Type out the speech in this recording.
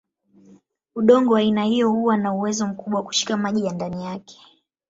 Udongo wa aina hiyo huwa na uwezo mkubwa wa kushika maji ndani yake.